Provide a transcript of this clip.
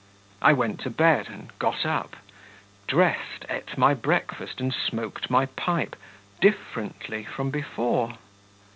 I went to bed, and got up, dressed, ate my breakfast, and smoked my pipe differently from before.